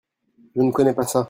Je ne connais pas ça.